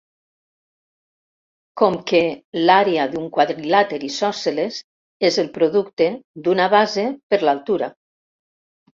Com que l'àrea d'un quadrilàter isòsceles és el producte d'una base per l'altura.